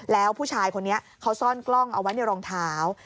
แล้วผู้ชายคนนี้เขาซ่อนกล้องเอาไว้ในรองเท้า